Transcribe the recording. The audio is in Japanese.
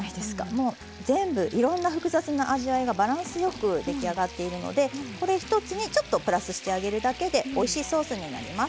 もう全部いろんな複雑な味わいがバランスよく出来上がっているのでこれ一つにちょっとプラスしてあげるだけでおいしいソースになります。